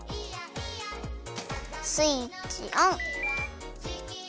スイッチオン！